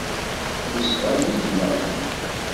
Temsefham yid-neɣ.